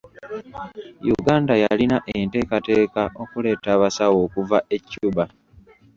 Uganda yalina enteekateeka okuleeta abasawo okuva e Cuba.